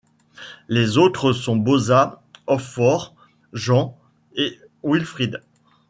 Les autres sont Bosa, Oftfor, Jean et Wilfrid.